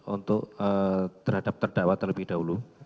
untuk terhadap terdakwa terlebih dahulu